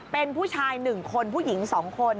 เป็นผู้ชาย๑คนผู้หญิง๒คน